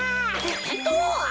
てんとう！